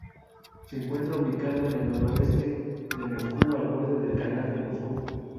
Se encuentra ubicada al noroeste de Moscú, al borde del canal de Moscú.